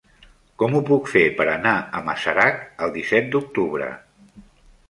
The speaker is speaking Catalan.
Com ho puc fer per anar a Masarac el disset d'octubre?